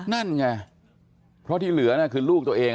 นั่นไงเพราะที่เหลือน่ะคือลูกตัวเอง